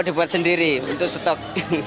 dibuat sendiri untuk stok